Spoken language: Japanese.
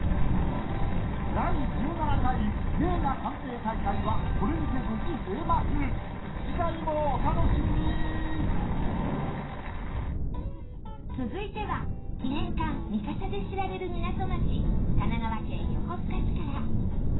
第１７回名画鑑定大会はこれにて無事閉幕続いては記念艦三笠で知られる港町神奈川県横須賀市から。